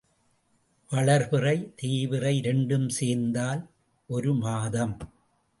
வளர்பிறை, தேய்பிறை இரண்டும் சேர்ந்தால் ஒரு மாதம்.